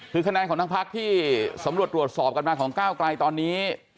คือคะแนนของทั้งพักที่สำรวจตรวจสอบกันมาของก้าวไกลตอนนี้